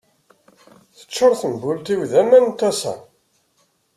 Teččur tembult-iw d aman n tasa.